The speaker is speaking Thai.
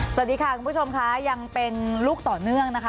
สวัสดีค่ะคุณผู้ชมค่ะยังเป็นลูกต่อเนื่องนะคะ